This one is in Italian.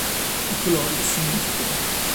I colori significano